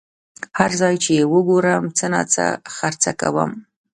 هر ځای چې یې وګورم څه ناڅه خرچه کوم.